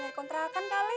mau nyari kontrakan kali